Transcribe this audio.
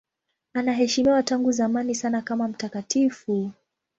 Anaheshimiwa tangu zamani sana kama mtakatifu.